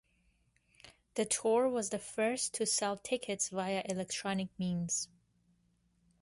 The tour was the first to sell tickets via electronic means.